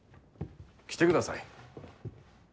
来てください。